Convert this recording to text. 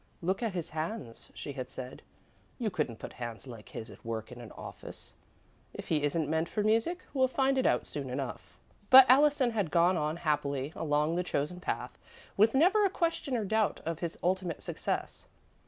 "Look at his hands," she had said. "You couldn't put hands like his at work in an office. If he isn't meant for music, we'll find it out soon enough." But Allison had gone on, happily, along the chosen path, with never a question or doubt of his ultimate success.